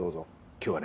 今日はね